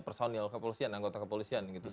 personil kepolisian anggota kepolisian gitu